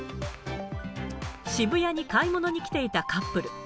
渋谷に買い物に来ていたカップル。